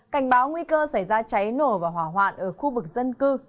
cảnh báo nguy cơ xảy ra cháy nổ và hỏa hoạn ở khu vực dân cư